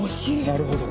なるほど。